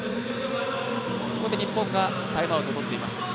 ここで日本、タイムアウトをとっています。